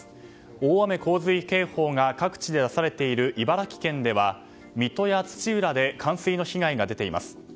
大雨・洪水警報が各地で出されている茨城県では水戸や土浦で冠水の被害が出ています。